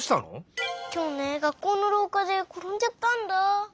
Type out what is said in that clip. きょうね学校のろうかでころんじゃったんだ。